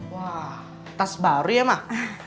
wah tas baru ya mah